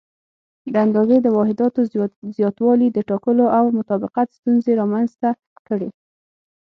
د اندازې د واحداتو زیاتوالي د ټاکلو او مطابقت ستونزې رامنځته کړې.